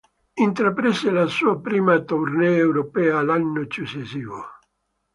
Intraprese la suo prima tournée europea l'anno successivo.